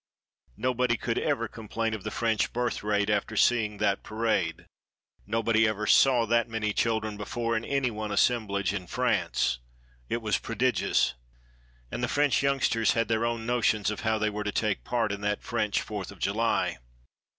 Nobody could ever complain of the French birth rate after seeing that parade. Nobody ever saw that many children before in any one assemblage in France. It was prodigious. And the French youngsters had their own notions of how they were to take part in that French Fourth of July.